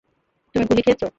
তুমি গুলি খেয়েছো?